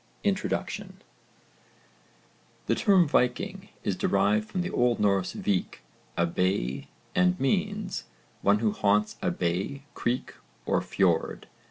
INTRODUCTION The term 'Viking' is derived from the Old Norse vík, a bay, and means 'one who haunts a bay, creek or fjord.'